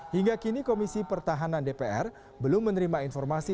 hingga kini komisi pertahanan dpr belum menerima informasi